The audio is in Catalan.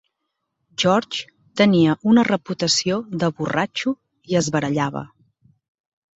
George tenia una reputació de borratxo i es barallava.